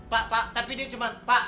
pak pak tapi dia cuma pak